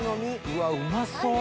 うわうまそ！